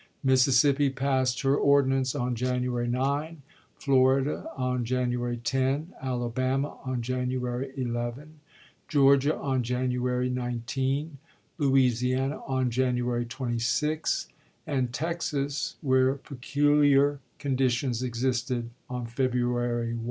Mississippi passed her ordinance on Jan uary 9, Florida on January 10, Alabama on January isgi. 11, Georgia on January 19, Louisiana on January 26, and Texas, where peculiar conditions existed, on February 1.